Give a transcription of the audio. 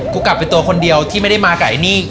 กลับไปตัวคนเดียวที่ไม่ได้มากับไอ้นี่